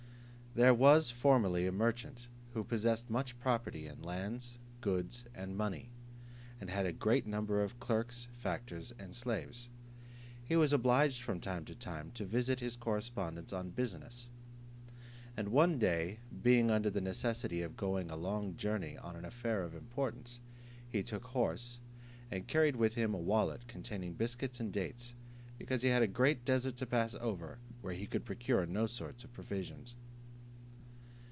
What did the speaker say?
There was formerly a merchant who possessed much property in lands, goods, and money, and had a great number of clerks, factors, and slaves. He was obliged from time to time to visit his correspondents on business; and one day being under the necessity of going a long journey on an affair of importance, he took horse, and carried with him a wallet containing biscuits and dates, because he had a great desert to pass over, where he could procure no sort of provisions.